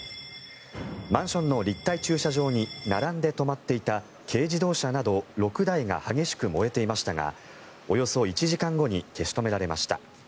マンションの立体駐車場に並んで止まっていた軽自動車など６台が激しく燃えていましたがおよそ１時間後に消し止められました。